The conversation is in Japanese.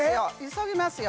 急ぎますよ